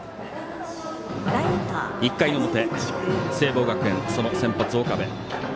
１回の表、聖望学園その先発、岡部。